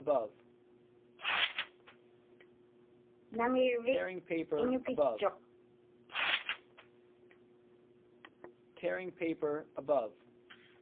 Naŋirvik iñukitchuq.